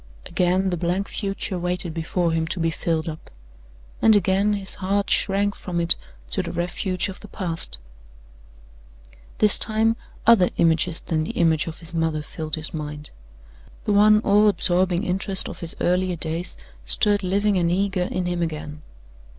Again the blank future waited before him to be filled up; and again his heart shrank from it to the refuge of the past. This time other images than the image of his mother filled his mind. The one all absorbing interest of his earlier days stirred living and eager in him again.